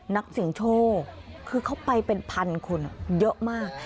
นักสิงห์โชว์คือเข้าไปเป็นพันคนเยอะมาก